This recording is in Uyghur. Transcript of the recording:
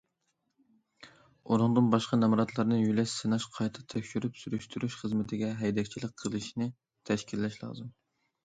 ئۇنىڭدىن باشقا نامراتلارنى يۆلەش سىناش قايتا تەكشۈرۈپ سۈرۈشتۈرۈش خىزمىتىگە ھەيدەكچىلىك قىلىشنى تەشكىللەش لازىم.